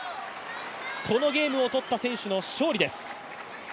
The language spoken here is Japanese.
このゲームを取った選手の勝利です。